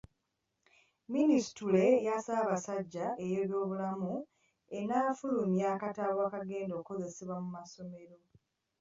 Minisitule ya Ssabasajja ey'eby'obulamu enaafulumya akatabo akagenda okukozesebwa mu masomero.